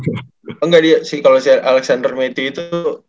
oh engga dia sih kalo si alexander matthew itu